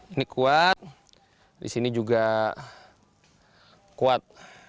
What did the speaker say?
ini kuat di sini juga kuat